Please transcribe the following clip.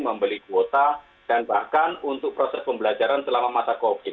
membeli kuota dan bahkan untuk proses pembelajaran selama masa covid